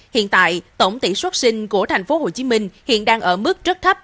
hiện tại tổng tỷ xuất sinh của tp hcm hiện đang ở mức rất thấp